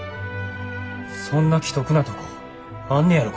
そんな奇特なとこあんねやろか。